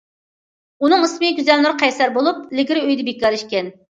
ئۇنىڭ ئىسمى گۈزەلنۇر قەيسەر بولۇپ، ئىلگىرى ئۆيدە بىكار ئىكەن.